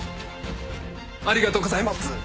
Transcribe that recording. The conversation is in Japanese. ありがとうございます！